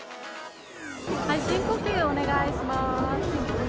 深呼吸をお願いします。